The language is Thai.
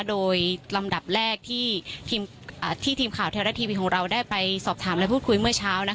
โดยลำดับแรกที่ทีมอ่าที่ทีมข่าวเทลระทีพีของเราได้ไปสอบถามและพูดคุยเมื่อเช้านะคะ